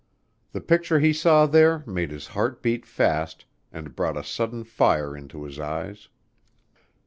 The picture he saw there made his heart beat fast and brought a sudden fire into his eyes.